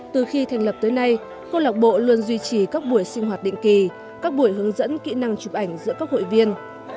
từ khi thành lập tới nay câu lạc bộ luôn duy trì các buổi sinh hoạt định kỳ các buổi hướng dẫn kỹ năng chụp ảnh giữa các hội viên